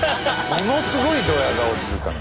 ものすごいドヤ顔するから。